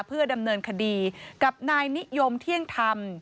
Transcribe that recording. เพื่อดำเนินคดีกับนายนิยมเที่ยงธรรม